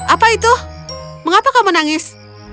apa itu mengapa kau menangis